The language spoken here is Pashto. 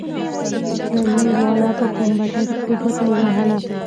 ټرېننگ والا په کوم بټن کښې گوته ووهله.